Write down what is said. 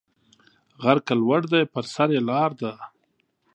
غر که لوړ دی پر سر یې لار ده